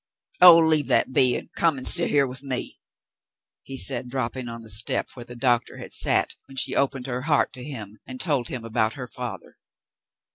"Oh, leave that be and come and sit here with me," he said, dropping on the step where the doctor had sat when she opened her heart to him and told him about her father.